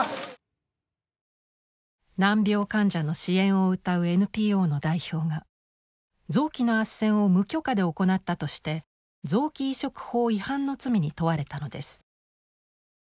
難病患者の支援をうたうＮＰＯの代表が臓器のあっせんを無許可で行ったとして臓器移植法違反の罪に問われたのです。